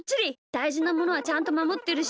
だいじなものはちゃんとまもってるし。